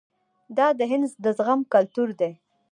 دا د هند د زغم کلتور دی.